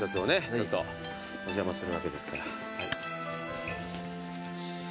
ちょっとお邪魔するわけですから。